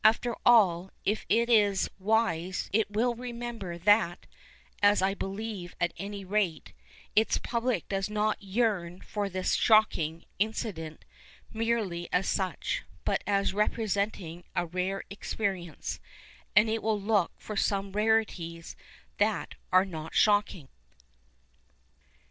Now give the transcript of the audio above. Above all, if it is wise it will remember that (as I believe nt any rate) its public does not yearn for the " shocking " inci dent merely as such, but as representing a rare experience, and it will look for some rarities that are not shocking.